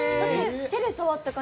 手で触った感じ